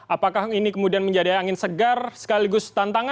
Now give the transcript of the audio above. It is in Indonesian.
apakah ini kemudian menjadi angin segar sekaligus tantangan